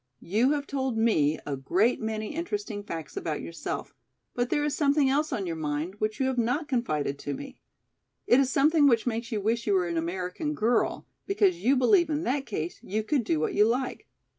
You have told me a great many interesting facts about yourself, but there is something else on your mind which you have not confided to me. It is something which makes you wish you were an American girl because you believe in that case you could do what you like.